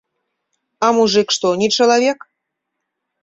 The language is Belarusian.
А мужык што, не чалавек?